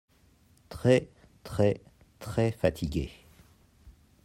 Très très très fatigué.